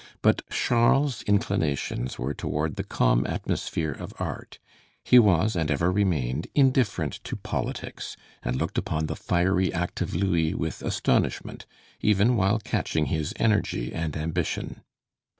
But Charles's inclinations were toward the calm atmosphere of art; he was, and ever remained, indifferent to politics, and looked upon the fiery, active Louis with astonishment, even while catching his energy and ambition.